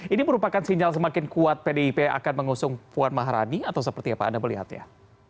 ini merupakan sinyal semakin kuat pdip akan mengusung puan maharani atau seperti apa anda melihatnya